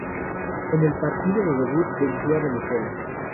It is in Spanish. En el partido de debut venció a Venezuela.